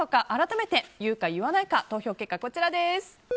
改めて言うか言わないか投票結果こちらです。